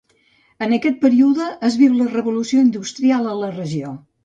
En aquest període es viu la revolució industrial a la regió.